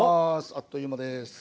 あっという間です。